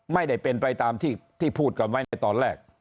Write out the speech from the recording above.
ไม่ได้เป็นไปตามที่พูดกันไว้ในตอนแรก